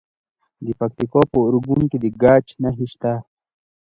د پکتیکا په ارګون کې د ګچ نښې شته.